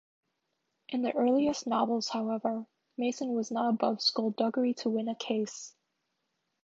In the earliest novels, however, Mason was not above skulduggery to win a case.